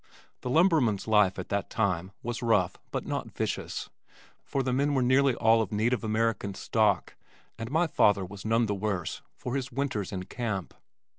The lumberman's life at that time was rough but not vicious, for the men were nearly all of native American stock, and my father was none the worse for his winters in camp.